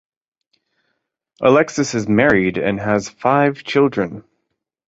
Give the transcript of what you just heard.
Alexis is married and has five children.